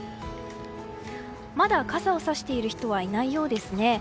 まだ傘をさしている人はいないようですね。